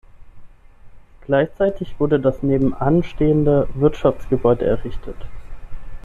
Gleichzeitig wurde das nebenan stehende Wirtschaftsgebäude errichtet.